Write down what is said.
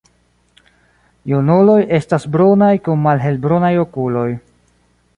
Junuloj estas brunaj kun malhelbrunaj okuloj.